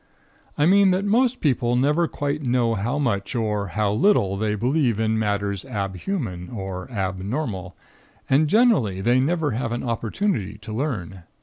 I mean that most people never quite know how much or how little they believe of matters ab human or ab normal, and generally they never have an opportunity to learn.